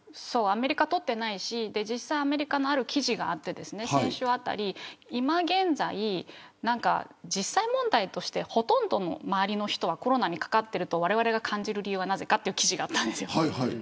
アメリカは取っていないしアメリカのある記事があって先週あたり、今現在実際問題としてほとんどの周りの人はコロナにかかっているとわれわれは感じる理由はなぜかという記事があったんです。